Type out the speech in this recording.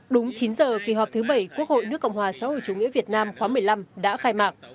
đúng chín giờ kỳ họp thứ bảy quốc hội nước cộng hòa xã hội chủ nghĩa việt nam khóa một mươi năm đã khai mạc